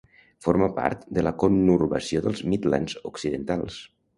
Forma part de la conurbació dels Midlands Occidentals.